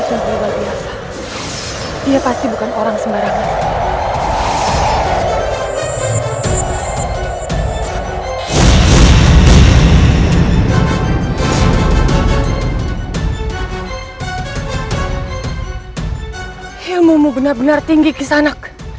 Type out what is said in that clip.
siapa kamu sebenarnya